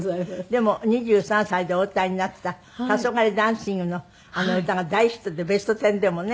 でも２３歳でお歌いになった『黄昏ダンシング』のあの歌が大ヒットで『ベストテン』でもね。